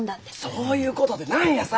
そういうことでないんやさ！